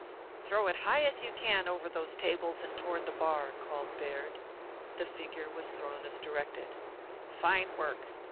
"Throw it high as you can over those tables and toward the bar," called Baird. The figure was thrown as directed. "Fine work!